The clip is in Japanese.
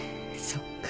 そっか。